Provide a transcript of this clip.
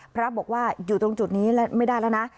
พระบอกว่าอยู่ตรงจุดนี้ไม่ได้แล้วนะ